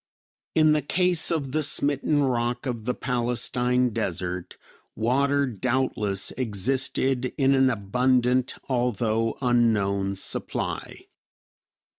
In the case of the smitten rock of the Palestine desert water doubtless existed in an abundant, although unknown supply.